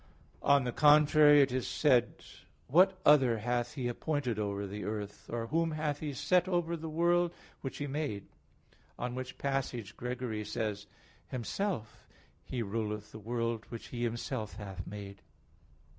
On the contrary, It is said (Job 34:13): "What other hath He appointed over the earth? or whom hath He set over the world which He made?" On which passage Gregory says (Moral. xxiv, 20): "Himself He ruleth the world which He Himself hath made."